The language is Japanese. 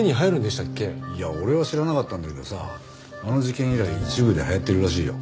いや俺は知らなかったんだけどさあの事件以来一部で流行ってるらしいよ。